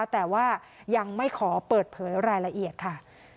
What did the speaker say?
แต่ว่ายังไม่ขอเปิดเผยรายละเอียดค่ะ